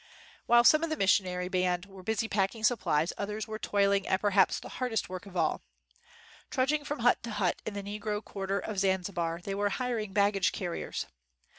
While some of the missionary band were busy packing supplies, others were toiling at perhaps the hardest work of all. Trudg ing from hut to hut in the negro quarter of Zanzibar, they were hiring baggage carriers.